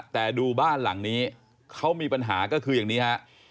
แต่ดูบ้านหลังนี้เขามีปัญหาก็คืออย่างนี้ฮะ